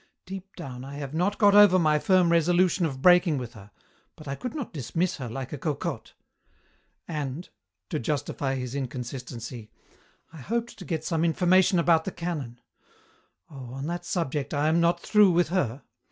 Deep down, I have not got over my firm resolution of breaking with her, but I could not dismiss her like a cocotte. And," to justify his inconsistency, "I hoped to get some information about the canon. Oh, on that subject I am not through with her.